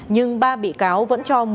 nhưng ba bị cáo vẫn cho